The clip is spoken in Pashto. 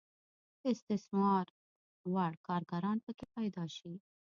د استثمار وړ کارګران پکې پیدا شي.